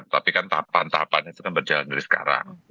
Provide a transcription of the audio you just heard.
tapi kan tahapan tahapannya sedang berjalan dari sekarang